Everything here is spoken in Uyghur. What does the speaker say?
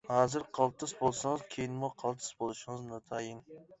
ھازىر قالتىس بولسىڭىز كېيىنمۇ قالتىس بولۇشىڭىز ناتايىن.